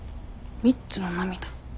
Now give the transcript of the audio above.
３つの涙？